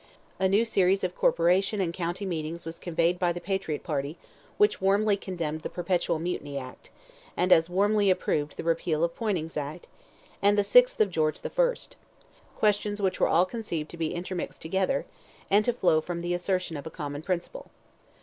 A new series of corporation and county meetings was convened by the Patriot party, which warmly condemned the Perpetual Mutiny Act, and as warmly approved the repeal of Poyning's Act, and the 6th of George I.: questions which were all conceived to be intermixed together, and to flow from the assertion of a common principle.